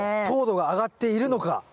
糖度が上がっているのか。